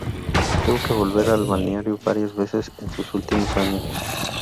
Tuvo que volver al balneario varias veces en sus últimos años.